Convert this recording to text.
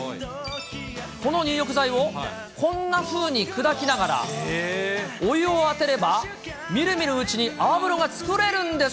この入浴剤をこんなふうに砕きながら、お湯を当てれば、みるみるうちに泡風呂が作れるんです。